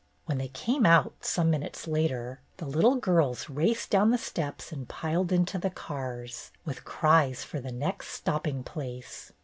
When they came out, some minutes later, the little girls raced down the steps and piled into the cars, with cries for the next stopping place.